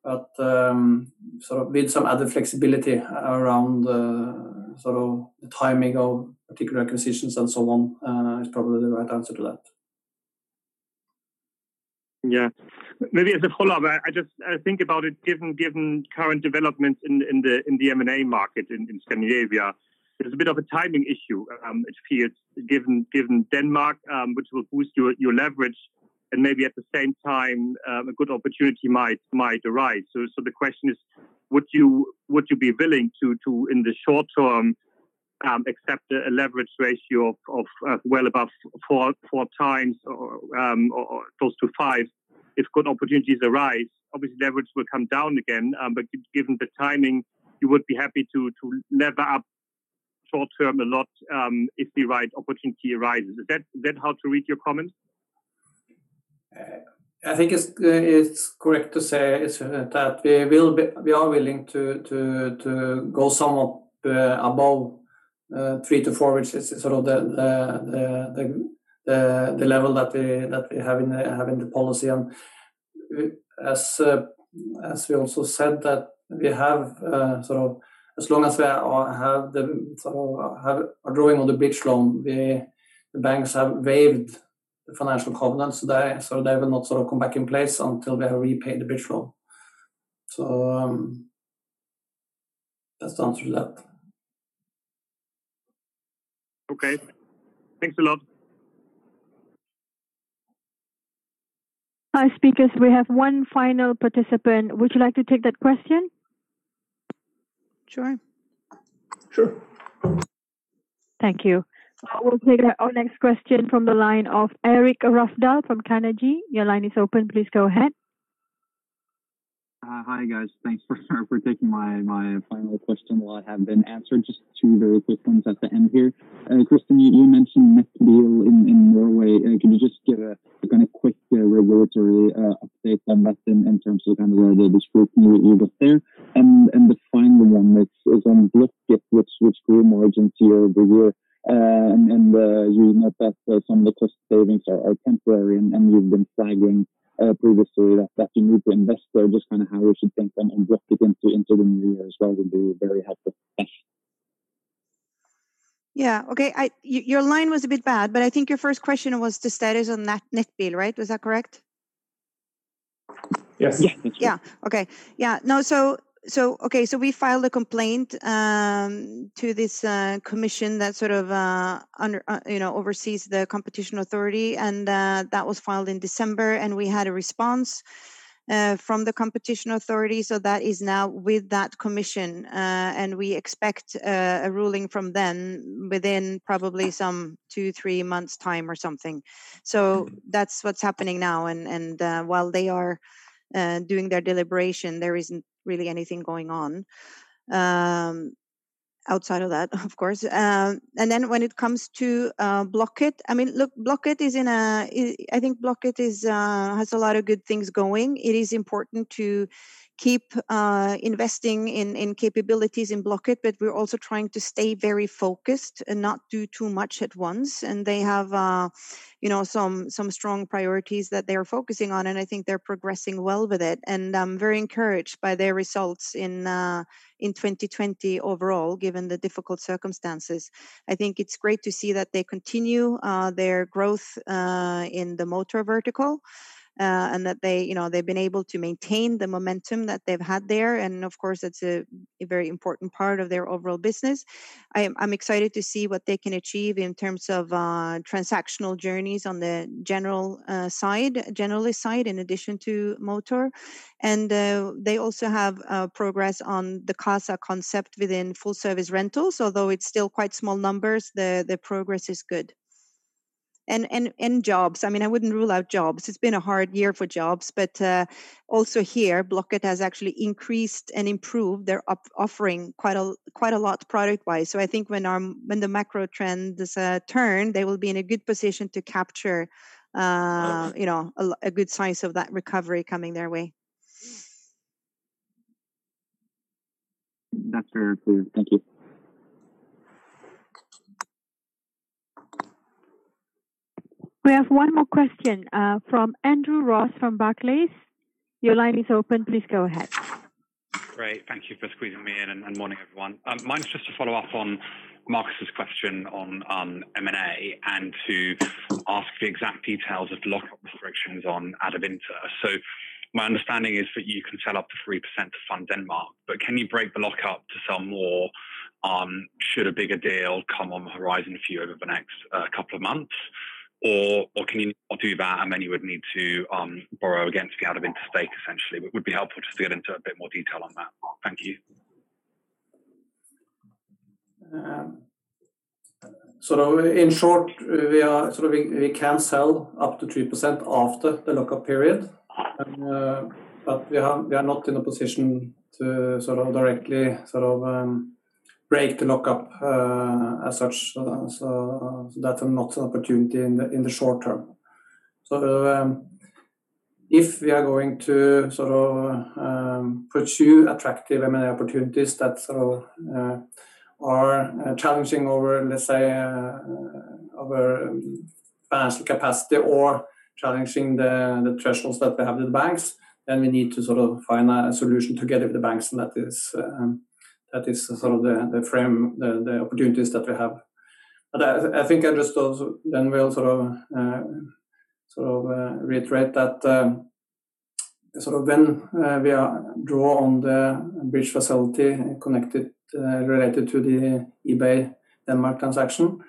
With some other flexibility around the timing of particular acquisitions and so on is probably the right answer to that. Yeah. Maybe as a follow-up, I think about it given current developments in the M&A market in Scandinavia, there's a bit of a timing issue at play given Denmark, which will boost your leverage and maybe at the same time, a good opportunity might arise. The question is, would you be willing to, in the short term, accept a leverage ratio of well above four times or close to five if good opportunities arise? Obviously, leverage will come down again, given the timing, you would be happy to lever up short term a lot, if the right opportunity arises. Is that how to read your comment? I think it's correct to say that we are willing to go somewhat above three to four, which is the level that we have in the policy. As we also said that as long as we are drawing on the bridge loan, the banks have waived the financial covenants. They will not come back in place until we have repaid the bridge loan. That's the answer to that. Okay. Thanks a lot. Hi, speakers, we have one final participant. Would you like to take that question? Sure. Sure. Thank you. We'll take our next question from the line of Eirik Rafdal from Carnegie. Your line is open. Please go ahead. Hi, guys. Thanks for taking my final question. A lot have been answered. Just two very quick ones at the end here. Kristin, you mentioned Nettbil in Norway. Can you just give a quick regulatory update on that in terms of where the dispute may end up there? The final one is on Blocket, which grew margins year-over-year. You note that some of the cost savings are temporary, and you've been flagging previously that you need to invest there. Just how we should think then on Blocket into the new year as well would be very helpful. Thanks. Yeah. Okay. Your line was a bit bad, but I think your first question was the status on Nettbil, right? Was that correct? Yes. Yeah. Yeah. Okay. We filed a complaint to this commission that oversees the competition authority, and that was filed in December, and we had a response from the competition authority. That is now with that commission, and we expect a ruling from them within probably some two, three months' time or something. That's what's happening now. While they are doing their deliberation, there isn't really anything going on outside of that, of course. When it comes to Blocket, I think Blocket has a lot of good things going. It is important to keep investing in capabilities in Blocket, but we're also trying to stay very focused and not do too much at once. They have some strong priorities that they are focusing on, and I think they're progressing well with it. I'm very encouraged by their results in 2020 overall, given the difficult circumstances. I think it's great to see that they continue their growth in the motor vertical, and that they've been able to maintain the momentum that they've had there. Of course, that's a very important part of their overall business. I'm excited to see what they can achieve in terms of transactional journeys on the generalist side, in addition to motor. They also have progress on the Qasa concept within full service rentals, although it's still quite small numbers, the progress is good. Jobs, I wouldn't rule out jobs. It's been a hard year for jobs, but also here, Blocket has actually increased and improved their offering quite a lot product-wise. I think when the macro trend does turn, they will be in a good position to capture a good slice of that recovery coming their way. That's very clear. Thank you. We have one more question from Andrew Ross from Barclays. Your line is open. Please go ahead. Great. Thank you for squeezing me in. Morning, everyone. Mine's just to follow up on Marcus's question on M&A and to ask the exact details of lockup restrictions on Adevinta. My understanding is that you can sell up to 3% to fund Denmark. Can you break the lockup to sell more should a bigger deal come on the horizon for you over the next couple of months? Can you not do that, you would need to borrow against the Adevinta stake, essentially? It would be helpful just to get into a bit more detail on that. Thank you. In short, we can sell up to 3% after the lockup period. We are not in a position to directly break the lockup as such. That's not an opportunity in the short term. If we are going to pursue attractive M&A opportunities that are challenging our, let's say, our financial capacity or challenging the thresholds that we have with the banks, then we need to find a solution together with the banks, and that is the frame, the opportunities that we have. I think I just also then will reiterate that when we draw on the bridge facility related to the eBay Denmark transaction,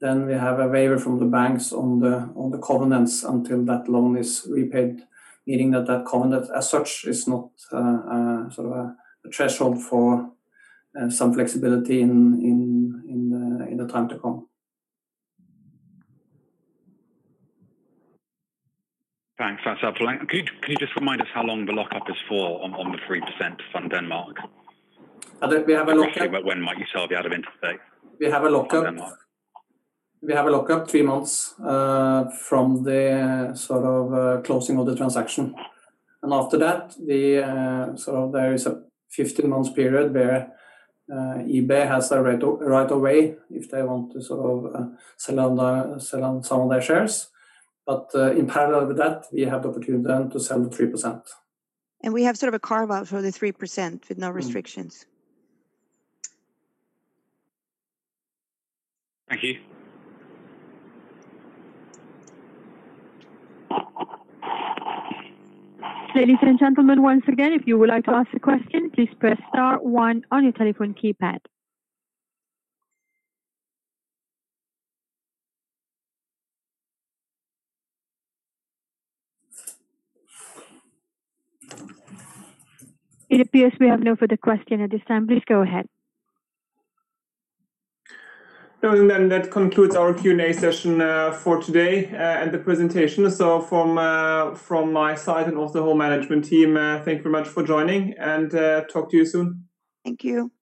then we have a waiver from the banks on the covenants until that loan is repaid, meaning that that covenant as such is not a threshold for some flexibility in the time to come. Thanks. That's helpful. Can you just remind us how long the lockup is for on the 3% to Fund Denmark? We have a lockup- Roughly, when might you sell the Adevinta stake? We have a lockup. to Fund Denmark We have a lockup three months from the closing of the transaction. After that, there is a 15-month period where eBay has the right of way if they want to sell some of their shares. In parallel with that, we have the opportunity then to sell the 3%. We have sort of a carve-out for the 3% with no restrictions. Thank you. Ladies and gentlemen, once again, if you would like to ask a question, please press star one on your telephone keypad. It appears we have no further question at this time. Please go ahead. That concludes our Q&A session for today and the presentation. From my side and also the whole management team, thank you very much for joining, and talk to you soon. Thank you.